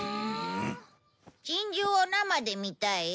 珍獣を生で見たい？